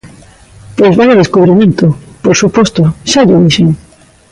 ¡Pois vaia descubrimento!, por suposto, xa llo dixen.